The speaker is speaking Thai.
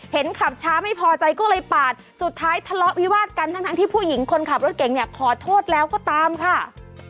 เห็นขับช้าไม่พอใจก็เลยปาดสุดท้ายทะเลาะวิวาดกันทั้งที่ผู้หญิงคนขับรถเก่งเนี่ยขอโทษแล้วก็ตามค่ะ